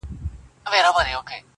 اوبه کړی مو په وینو دی ګلشن خپل!.